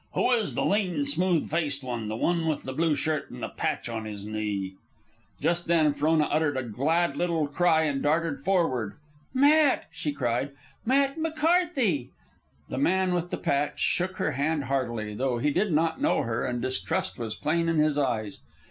"Who is the lean, smooth faced one? The one with the blue shirt and the patch on his knee?" Just then Frona uttered a glad little cry and darted forward. "Matt!" she cried. "Matt McCarthy!" The man with the patch shook her hand heartily, though he did not know her and distrust was plain in his eyes.